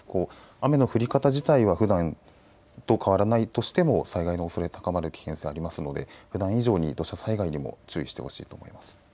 雨の降り方自体はふだんと変わらないとしても災害のおそれ、高まる危険性がありますのでふだん以上に土砂災害にも注意してほしいと思います。